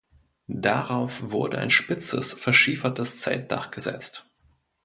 Darauf wurde ein spitzes verschiefertes Zeltdach gesetzt.